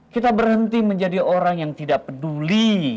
kita berhenti menjadi orang yang tidak peduli